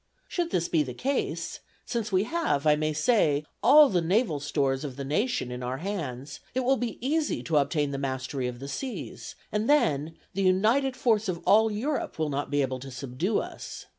Should this be the case, since we have, I may say, all the naval stores of the nation in our hands, it will be easy to obtain the mastery of the seas; and then the united force of all Europe will not be able to subdue us.